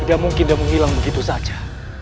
tidak mungkin dan menghilang begitu saja